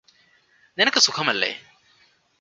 നിനക്ക് സുഖമല്ലേ